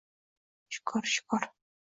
— Shukur, shukur.